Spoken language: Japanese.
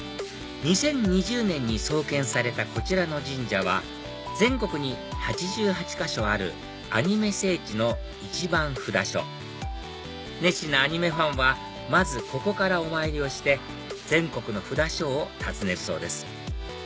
２０２０年に創建されたこちらの神社は全国に８８か所あるアニメ聖地の１番札所熱心なアニメファンはまずここからお参りをして全国の札所を訪ねるそうです